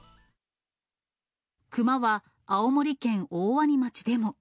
クマは青森県大鰐町でも。